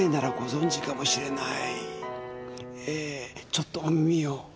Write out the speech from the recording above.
ちょっとお耳を。